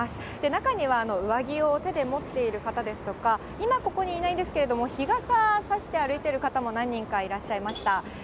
中には上着を手で持っている方ですとか、今ここにいないんですけれども、日傘を差して歩いてる方も何人かいらっしゃいました。